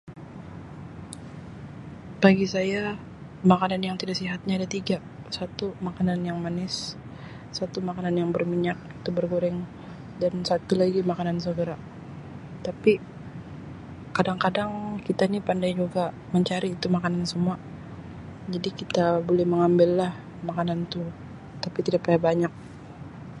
Bagi saya makanan yang tidak sihat ni ada tiga satu makanan yang manis satu makanan yang berminyak atau bergoreng dan satu lagi makanan segera tapi kadang-kadang kita ni pandai juga mencari tu makanan semua jadi kita boleh mengambil lah makanan tu tapi tidak payah banyak.